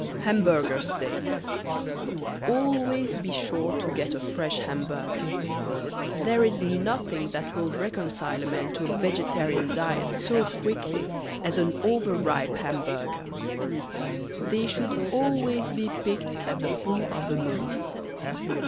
HAMBURGER STEAK. Always be sure to get a fresh Hamburger. There is nothing that will reconcile a man to a vegetarian diet so quickly as an over ripe Hamburger. They should always be picked at the full of the moon.